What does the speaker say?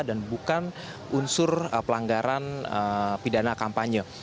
dan bukan unsur pelanggaran pidana kampanye